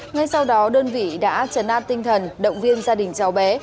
ngay sau đó đơn vị đã trấn an tinh thần động viên gia đình cháu bé